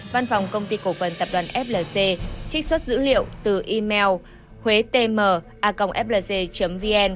văn phòng công ty cổ phần tập đoàn flc trích xuất dữ liệu từ email huetmacongflc vn